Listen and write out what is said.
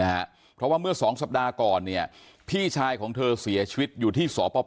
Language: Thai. นะฮะเพราะว่าเมื่อสองสัปดาห์ก่อนเนี่ยพี่ชายของเธอเสียชีวิตอยู่ที่สป